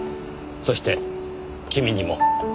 そして君にも。